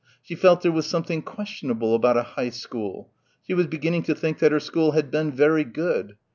She felt there was something questionable about a high school. She was beginning to think that her school had been very good.